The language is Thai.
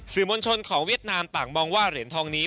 มวลชนของเวียดนามต่างมองว่าเหรียญทองนี้